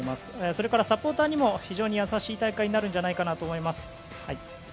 それからサポーターにも非常に優しい大会になるんじゃないかと思います。